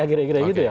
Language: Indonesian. gira gira gitu ya